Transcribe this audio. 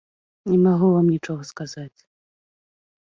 Не магу вам нічога сказаць.